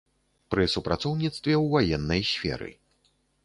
Пры супрацоўніцтве ў ваеннай сферы.